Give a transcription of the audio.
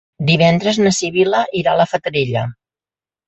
Divendres na Sibil·la irà a la Fatarella.